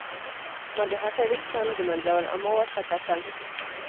ما د هغې ویښتان ږمونځول او ما ورته کتل.